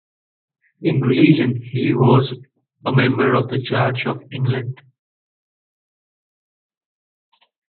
In religion, he was a member of the Church of England.